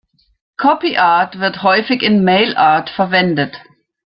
Copy Art wird häufig in Mail Art verwendet.